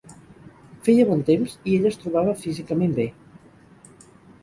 Feia bon temps i ell es trobava físicament bé.